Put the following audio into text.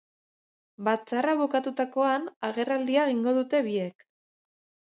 Batzarra bukatutakoan, agerraldia egingo dute biek.